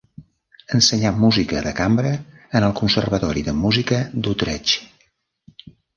Ensenyà música de cambra en el Conservatori de Música d’Utrecht.